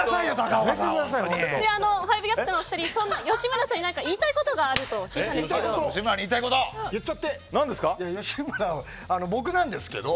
５ＧＡＰのお二人吉村さんに言いたいことがあると聞いたんですけど。